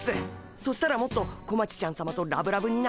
そしたらもっと小町ちゃんさまとラブラブになれるっす。